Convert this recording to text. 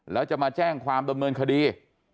แล้วจะมาแจ้งความดำเนินคดี